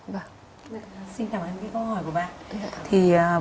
xin cảm ơn câu hỏi của bạn